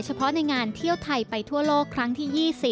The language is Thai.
เฉพาะในงานเที่ยวไทยไปทั่วโลกครั้งที่๒๐